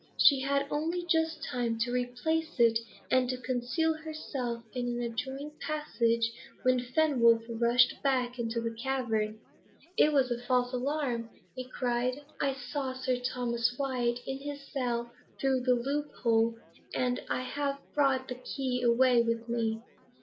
She had only just time to replace it, and to conceal herself in an adjoining passage, when Fenwolf rushed back into the cavern. "It was a false alarm," he cried. "I saw Sir Thomas Wyat in his cell through the loop hole, and I have brought the key away with me.